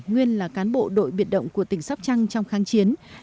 nguyên là cán bộ đội biệt động của tỉnh sóc trăng trong kháng chiến